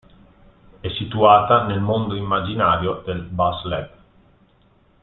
È situata nel mondo immaginario del Bas-Lag.